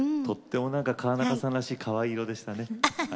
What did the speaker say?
川中さんらしいかわいい色でしたね。